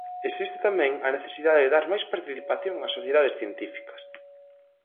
Existe tamén a necesidade de dar máis participación ás sociedades científicas.